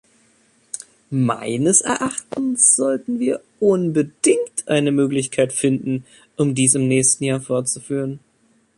Meines Erachtens sollten wir unbedingt eine Möglichkeit finden, um dies im nächsten Jahr fortzuführen.